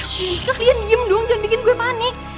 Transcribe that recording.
suka kalian diem dong jangan bikin gue panik